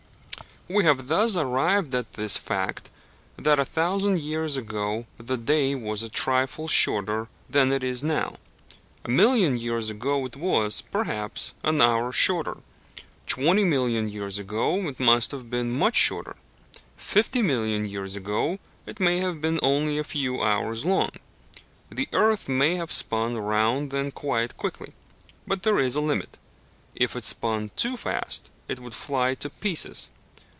We have thus arrived at this fact, that a thousand years ago the day was a trifle shorter than it is now. A million years ago it was, perhaps, an hour shorter. Twenty million years ago it must have been much shorter. Fifty million years ago it may have been only a few hours long. The earth may have spun round then quite quickly. But there is a limit. If it spun too fast it would fly to pieces.